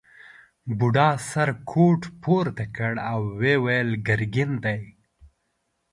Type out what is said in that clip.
بوډا سره کوټ پورته کړ او وویل ګرګین دی.